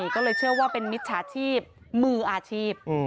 ก็เลยเชื่อว่าเป็นมิจฉาชีพมืออาชีพ